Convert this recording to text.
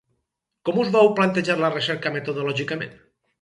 Com us vau plantejar la recerca metodològicament?